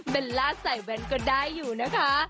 ล่าใส่แว้นก็ได้อยู่นะคะ